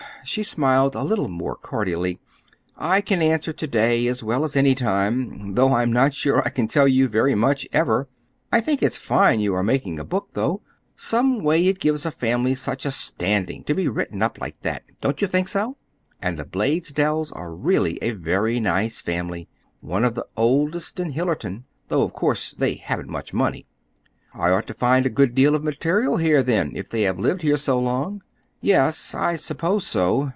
She smiled a little more cordially. "I can answer to day as well as any time—though I'm not sure I can tell you very much, ever. I think it's fine you are making the book, though. Some way it gives a family such a standing, to be written up like that. Don't you think so? And the Blaisdells are really a very nice family—one of the oldest in Hillerton, though, of course, they haven't much money." "I ought to find a good deal of material here, then, if they have lived here so long." "Yes, I suppose so.